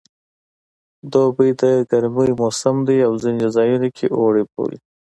دوبی د ګرمي موسم دی او ځینې ځایو کې اوړی بولي